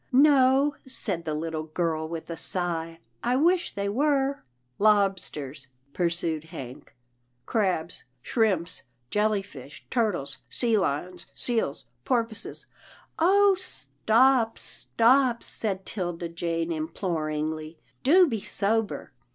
" "No," said the little girl with a sigh, "I wish they were." " Lobsters," pursued Hank, " crabs, shrimps, jellyfish, turtles, sea lions, seals, porpoises —" "Oh! stop, stop," said 'Tilda Jane imploringly, " do be sober."